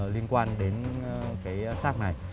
liên quan đến cái sát này